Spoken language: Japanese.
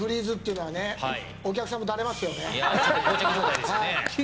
膠着状態ですね。